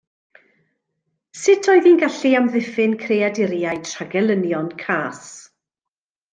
Sut oedd hi'n gallu amddiffyn creaduriaid rhag gelynion cas?